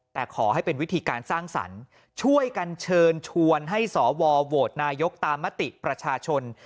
แต่ขอให้เป็นวิธีการสร้างสรรค์ช่วยกันเชิญชวนให้สวโหวตนายกตามมติประชาชน